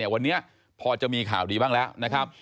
วันนี้พอจะมีข่าวดีบ้างแล้วนะครับ